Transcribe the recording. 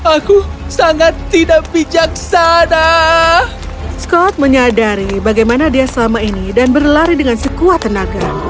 aku sangat tidak bijaksana scott menyadari bagaimana dia selama ini dan berlari dengan sekuat tenaga